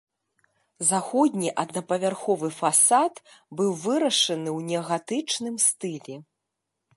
Заходні аднапавярховы фасад быў вырашаны ў неагатычным стылі.